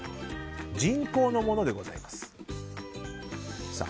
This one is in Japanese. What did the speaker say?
人工のものでございます。